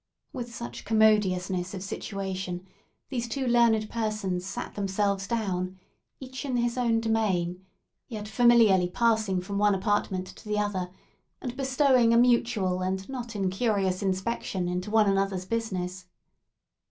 With such commodiousness of situation, these two learned persons sat themselves down, each in his own domain, yet familiarly passing from one apartment to the other, and bestowing a mutual and not incurious inspection into one another's business.